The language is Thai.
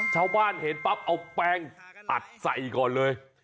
ชาวบ้านเห็นปั๊บเอาแป้งอัดใส่ก่อนเลย